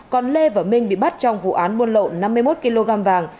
còn lê và minh bị bắt trong vụ án muôn lộ năm mươi một kg vàng